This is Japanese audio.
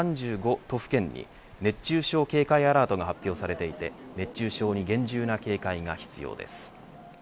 都府県に熱中症警戒アラートが発表されていて熱中症に厳重な警戒が必要です。